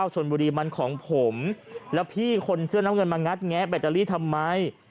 ชนบุรีมันของผมแล้วพี่คนเสื้อน้ำเงินมางัดแงะแบตเตอรี่ทำไม